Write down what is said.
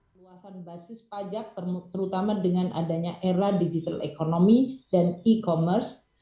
luasan basis pajak terutama dengan adanya era digital economy dan e commerce